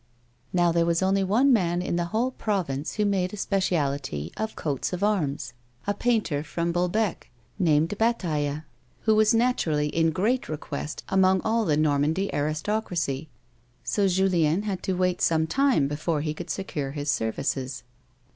Now there was only one man in the whole province who made a speci ality of coats of arms, a painter from Bolbec, named Bataille, who was naturally in great request among all the Normandy aristocracy ; so Julien had to wait some time before he could secure his services.